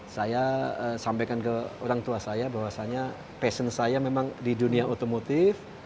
saya sampaikan ke orang tua saya bahwasannya passion saya memang di dunia otomotif